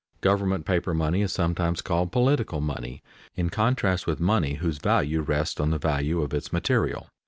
Government paper money is sometimes called "political money," in contrast with money whose value rests on the value of its material.